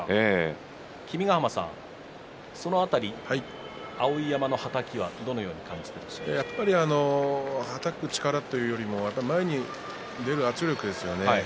君ヶ濱さん、その辺り碧山のはたきは、どのようにやっぱりはたく力というよりも前に出る圧力ですよね。